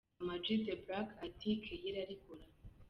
Amag the Black ati “Care irarikora”.